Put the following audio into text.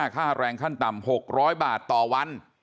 ค่าแรงขั้นต่ำ๖๐๐บาทต่อวัน